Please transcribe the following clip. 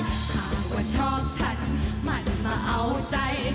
หากว่าชอบฉันมันมาเอาใจ